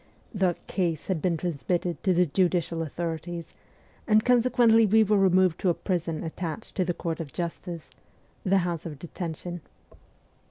The ' case ' had been transmitted to the judicial authorities, and consequently we w^ere re moved to a prison attached to the court of justice the House of Detention.